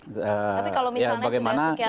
tapi kalau misalnya sudah sekian lama